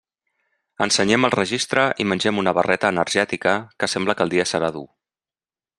Ensenyem el registre i mengem una barreta energètica, que sembla que el dia serà dur.